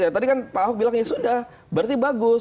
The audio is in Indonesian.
ya tadi kan pak ahok bilang ya sudah berarti bagus